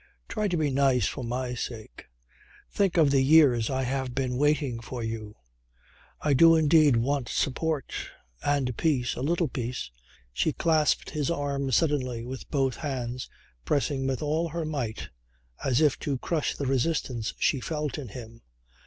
"Try to be nice for my sake. Think of the years I have been waiting for you. I do indeed want support and peace. A little peace." She clasped his arm suddenly with both hands pressing with all her might as if to crush the resistance she felt in him.